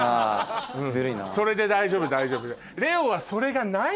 それで大丈夫大丈夫。